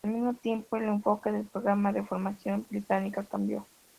Al mismo tiempo, el enfoque del programa de formación británica cambió.